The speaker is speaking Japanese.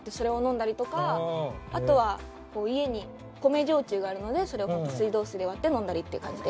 あとは家に米焼酎があるのでそれを水道水で割って飲んだりっていう感じで。